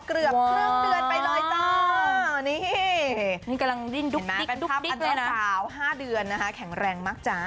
เกือบครึ่งเดือนไปเลยจ้ะนี่เป็นภาพอันตรายสาว๕เดือนนะคะแข็งแรงมากจ้ะ